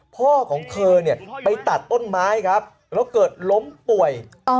พ่อของเธอเนี่ยไปตัดต้นไม้ครับแล้วเกิดล้มป่วย